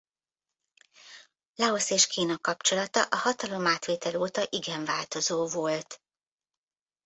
Laosz és Kína kapcsolata a hatalomátvétel óta igen változó volt.